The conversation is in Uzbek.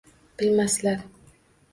Bilmaslar.